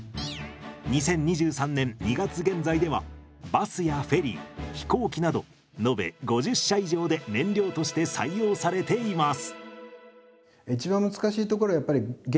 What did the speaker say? ２０２３年２月現在ではバスやフェリー飛行機など延べ５０社以上で燃料として採用されています。